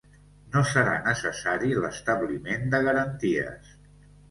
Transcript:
No serà necessari l'establiment de garanties.